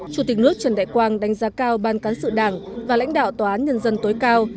chủ tịch nước trần đại quang đánh giá cao ban cán sự đảng và lãnh đạo tòa án nhân dân tối cao